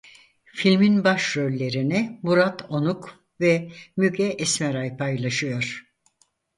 Filmin başrollerini Murat Onuk ve Müge Esmeray paylaşıyor.